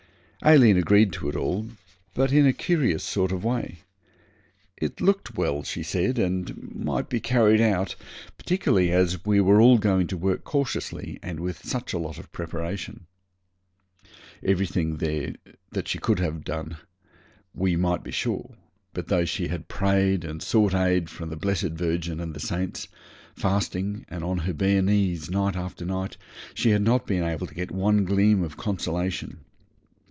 Aileen agreed to it all, but in a curious sort of way. 'It looked well,' she said, 'and might be carried out, particularly as we were all going to work cautiously and with such a lot of preparation.' Everything that she could do would be done, we might be sure; but though she had prayed and sought aid from the Blessed Virgin and the saints fasting and on her bare knees, night after night she had not been able to get one gleam of consolation.